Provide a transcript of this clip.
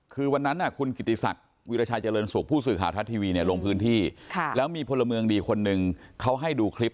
คือวันนั้นคุณกิติศักดิ์วิราชัยเจริญสุขผู้สื่อข่าวทัศน์ทีวีเนี่ยลงพื้นที่แล้วมีพลเมืองดีคนหนึ่งเขาให้ดูคลิป